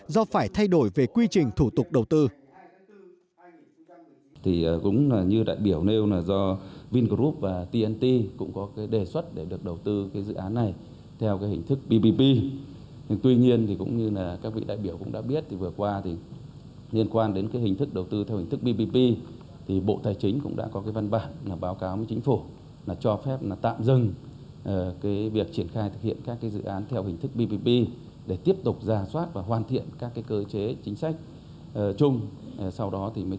do phải thay đổi về quy trình thủ tục đầu tư